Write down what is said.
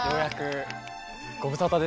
ご無沙汰です